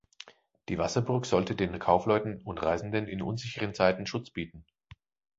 Die Wasserburg sollte den Kaufleuten und Reisenden in unsicheren Zeiten Schutz bieten.